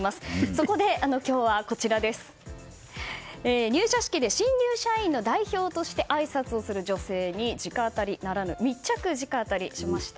そこで今日は入社式で新入社員の代表としてあいさつをする女性に直アタリならぬ密着直アタリをしました。